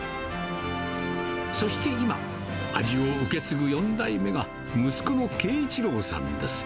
そして今、味を受け継ぐ４代目が、息子の敬一郎さんです。